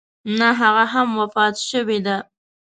نه هغه هم وفات شوې ده.